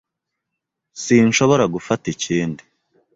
Sinshobora gufata ikindi.